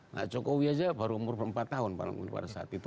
nah jokowi aja baru umur empat tahun pada saat itu